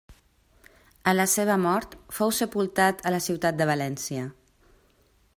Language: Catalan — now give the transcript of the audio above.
A la seva mort fou sepultat a la ciutat de València.